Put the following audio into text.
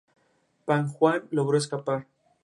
Pang Juan logró escapar.